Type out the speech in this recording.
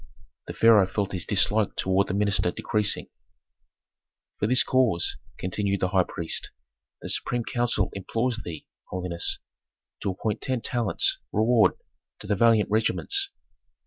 The pharaoh felt his dislike toward the minister decreasing. "For this cause," continued the high priest, "the supreme council implores thee, holiness, to appoint ten talents' reward to the valiant regiments.